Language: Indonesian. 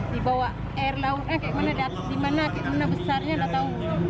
dibawa air lautnya kayak gimana di mana kayak gimana besarnya gak tahu